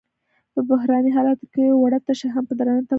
په بحراني حالاتو کې وړه تشه هم په درانه تمامېږي.